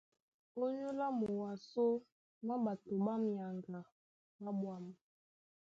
Ónyólá muwasó mwá ɓato ɓá myaŋga ɓá ɓwâm.